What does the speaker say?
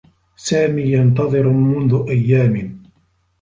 سامي ينتظر منذ أيّام.